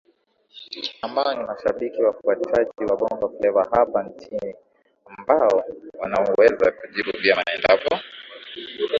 ambao ni mashabiki wafuatiaji wa Bongo fleva hapa nchini ambao wanaweza kujibu vyema endapo